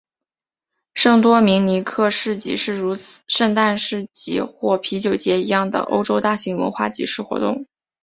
圣多明尼克市集是如圣诞市集或啤酒节一样的欧洲大型文化集市活动。